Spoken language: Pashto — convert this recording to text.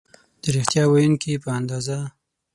د ریښتیا ویونکي په اندازه